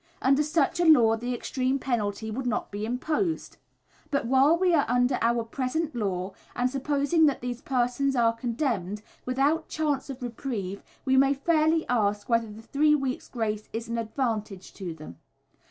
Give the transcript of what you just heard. Under such a law the extreme penalty would not be imposed; but while we are under our present law, and supposing that these persons are condemned, without chance of reprieve, we may fairly ask whether the three weeks' grace is an advantage to them.